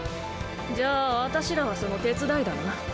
じゃあ私らはその手伝いだな。